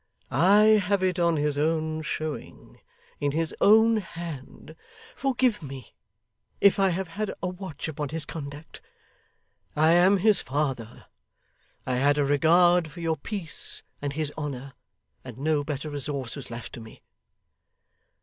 I have it on his own showing; in his own hand. Forgive me, if I have had a watch upon his conduct; I am his father; I had a regard for your peace and his honour, and no better resource was left me.